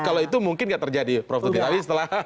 kalau itu mungkin nggak terjadi prof dutty tadi setelah